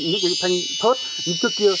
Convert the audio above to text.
những cây thanh thớt như trước kia